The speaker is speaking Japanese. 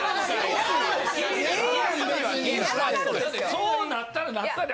そうなったらなったで。